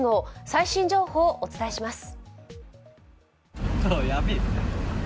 最新情報をお伝えします。